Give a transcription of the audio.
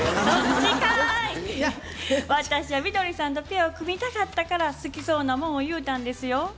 私はみどりさんとペアを組みたかったから好きそうなもんを言うたんですよ。